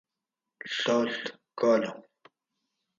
ڷڷ کالام